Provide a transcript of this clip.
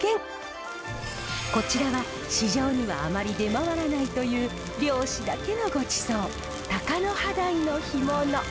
こちらは市場にはあまり出回らないという漁師だけのごちそうタカノハダイの干物。